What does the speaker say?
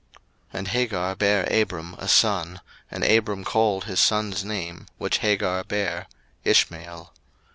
01:016:015 And Hagar bare Abram a son: and Abram called his son's name, which Hagar bare, Ishmael.